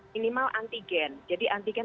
minimal antigen jadi antigen